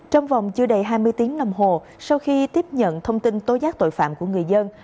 trong vòng chưa đầy hai mươi tiếng đồng hồ sau khi tiếp nhận thông tin tố giác tội phạm của người dân